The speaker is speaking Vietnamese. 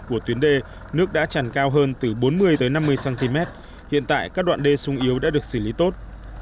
của tuyến đê nước đã tràn cao hơn từ bốn mươi tới năm mươi cm hiện tại các đoạn đê sung yếu đã được xử lý tốt